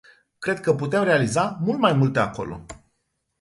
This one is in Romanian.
Cred că putem realiza mult mai multe acolo.